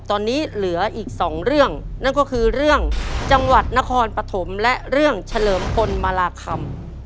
ตอนนี้เหลืออีกสองเรื่องนั่นก็คือเรื่องจังหวัดนครปฐมและเรื่องเฉลิมพลมาราคำ